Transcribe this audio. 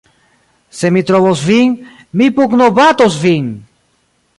"Se mi trovos vin, mi pugnobatos vin!"